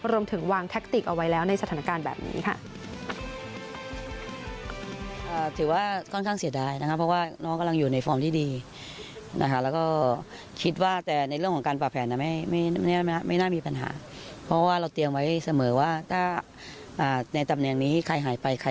รวมถึงวางแท็กติกเอาไว้แล้วในสถานการณ์แบบนี้ค่ะ